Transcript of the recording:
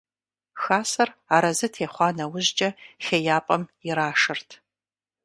Хасэр арэзы техъуа нэужькӀэ хеяпӀэм ирашэрт.